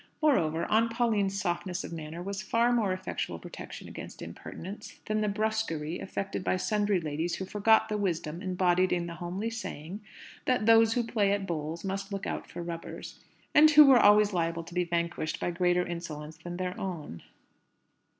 Moreover, Aunt Pauline's softness of manner was a far more effectual protection against impertinence, than the brusquerie affected by sundry ladies who forgot the wisdom embodied in the homely saying, that "those who play at bowls must look out for rubbers;" and who were always liable to be vanquished by greater insolence than their own.